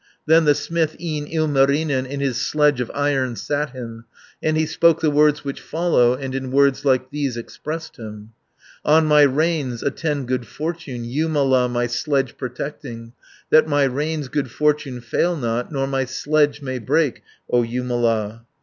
Then the smith, e'en Ilmarinen, In his sledge of iron sat him, 430 And he spoke the words which follow, And in words like these expressed him: "On my reins attend good fortune, Jumala my sledge protecting, That my reins good fortune fail not, Nor my sledge may break, O Jumala!"